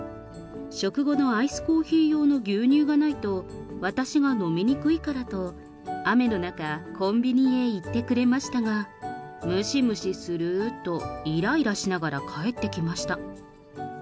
食後のアイスコーヒー用の牛乳がないと、私が飲みにくいからと、雨の中、コンビニへ行ってくれましたが、蒸し蒸しするぅーといらいらしながら帰ってきました。